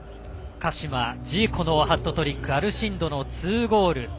鹿島、ジーコのハットトリックアルシンドの２ゴール。